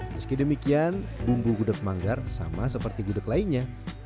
meski demikian bumbu gudeg manggar sama seperti gudeg lainnya